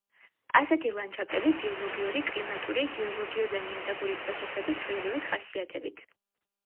ასეთი ლანდშფტები ბიოლოგიური, კლიმატური, გეოლოგიური და ნიადაგური პროცესების ცლილებებით ხასიათებით.